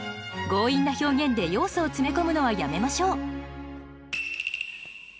強引な表現で要素を詰め込むのはやめましょう。